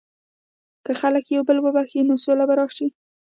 که خلک یو بل وبخښي، نو سوله به راشي.